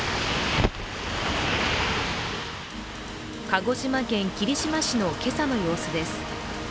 鹿児島県霧島市の今朝の様子です。